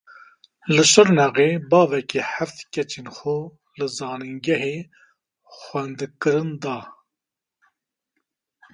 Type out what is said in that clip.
Li Şirnexê bavekî heft keçên xwe li zanîngehê xwendinkirin da.